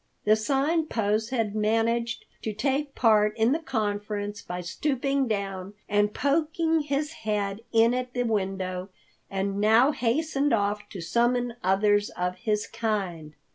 The Sign Post had managed to take part in the conference by stooping down and poking his head in at the window, and now hastened off to summon others of his kind.